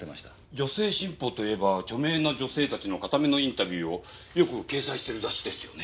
『女性新報』といえば著名な女性たちの堅めのインタビューをよく掲載してる雑誌ですよね。